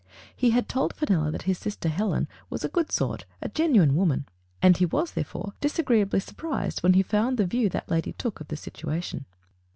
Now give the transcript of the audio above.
He had told Fenella that his sister Helen was "a good sort — a genuine woman," and he was, there fore, disagreeably surprised when he found the view that lady took of the situation.